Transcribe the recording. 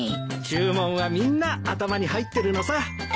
注文はみんな頭に入ってるのさ。